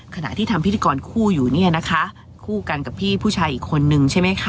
ขณะที่ทำพิธีกรคู่อยู่เนี่ยนะคะคู่กันกับพี่ผู้ชายอีกคนนึงใช่ไหมคะ